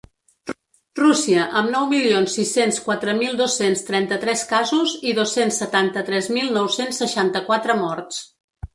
Rússia, amb nou milions sis-cents quatre mil dos-cents trenta-tres casos i dos-cents setanta-tres mil nou-cents seixanta-quatre morts.